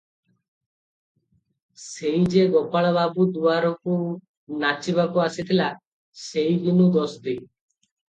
ସେଇ ଯେ ଗୋପାଳ ବାବୁ ଦୁଆରକୁ ନାଚିବାକୁ ଆସିଥିଲା, ସେଇ ଦିନୁ ଦୋସ୍ତି ।